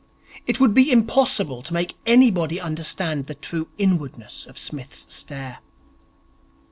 It would be impossible to make anybody understand the true inwardness of Psmith's stare.